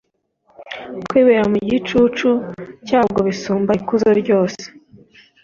kwibera mu gicucu cyabwo bisumba ikuzo ryose